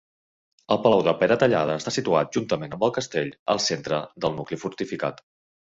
El palau de Peratallada està situat, juntament amb el castell, al centre del nucli fortificat.